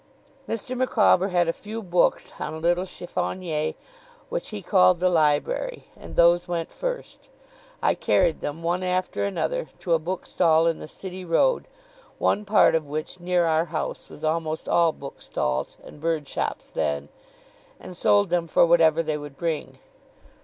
Mr. Micawber had a few books on a little chiffonier, which he called the library; and those went first. I carried them, one after another, to a bookstall in the City Road one part of which, near our house, was almost all bookstalls and bird shops then and sold them for whatever they would bring.